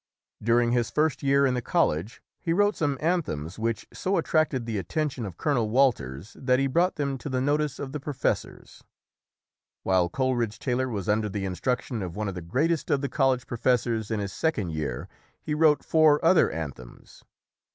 During his first year in the college, he wrote some anthems which so attracted the attention of Colonel Walters that he brought them to the no tice of the professors. While Coleridge Taylor was under the instruction of one of the greatest of the college professors in his second year, he wrote four other anthems.